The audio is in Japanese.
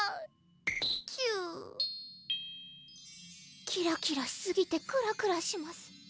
キュウキラキラしすぎてクラクラします